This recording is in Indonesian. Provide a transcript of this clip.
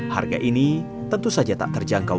harga ini tentu saja tak terjangkau